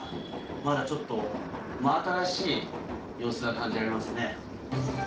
まだちょっと真新しい様子が感じられますね。